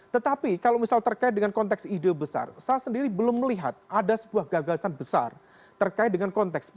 tetapi kalau misal terkait dengan konteks ide besar saya sendiri belum melihat ada sebuah gagasan besar terkait dengan konteks